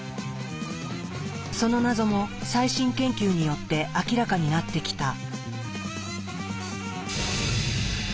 その謎も最新研究によって明らかになってきた。